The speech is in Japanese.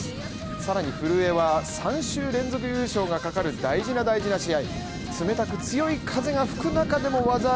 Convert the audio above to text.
さらに古江は、３週連続優勝がかかる大事な大事な試合。